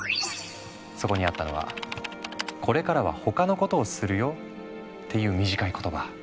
そこにあったのは「これからは他のことをするよ」っていう短い言葉。